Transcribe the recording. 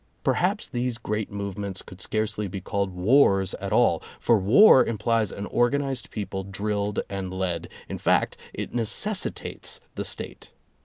Perhaps these great movements could scarcely be called wars at all, for war implies an organized people drilled and led; in fact, it necessitates the State.